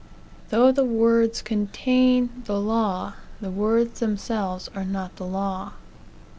Though the words contain the law, the words themselves are not the law.